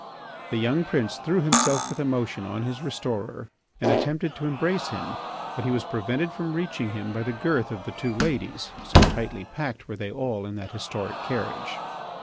The young prince threw himself with emotion on his restorer and attempted to embrace him, but he was prevented from reaching him by the girth of the two ladies, so tightly packed were they all in that historic carriage.